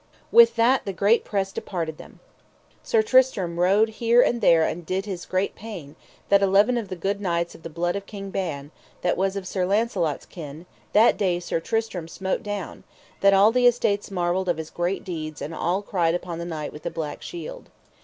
With that the great press departed [them]. Then Sir Tristram rode here and there and did his great pain, that eleven of the good knights of the blood of King Ban, that was of Sir Launcelot's kin, that day Sir Tristram smote down; that all the estates marvelled of his great deeds and all cried upon the Knight with the Black Shield.